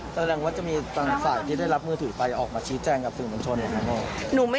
แสดงว่าจะมีตังค์ฝ่ายที่ได้รับมือถือไปออกมาชี้แจ้งกับสิ่งมันชน